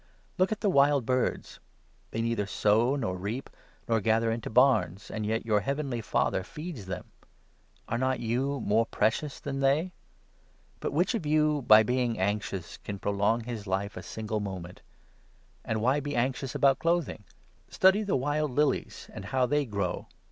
Look at the wild birds — they neither sow, nor 26 reap, nor gather into barns ; and yet your heavenly Father feeds them ! And are not you more precious than they ? But which of you, by being anxious, can prolong 27 his life a single moment? And why be anxious about 28 clothing ? Study the wild lilies, and how they grow.